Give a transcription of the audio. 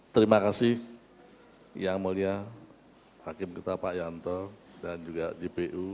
terima kasih yang mulia hakim kita pak yanto dan juga jpu